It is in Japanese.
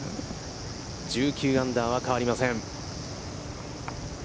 １９アンダーは変わりません。